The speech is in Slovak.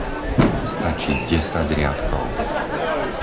Stačí desať riadkov!